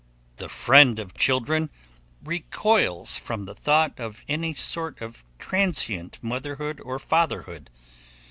The friend of children recoils from the thought of any sort of transient motherhood or fatherhood.